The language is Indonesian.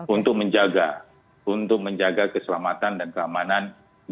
untuk menjaga keselamatan dan keamanan desa dan kelurahan tersebut